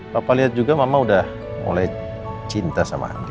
papa lihat juga mama udah mulai cinta sama anak